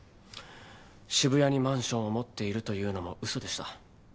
渋谷にマンションを持っているというのもうそでした。